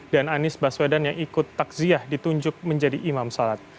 dan anies baswedan yang ikut takziah ditunjuk menjadi imam sholat